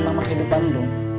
nama kehidupan lo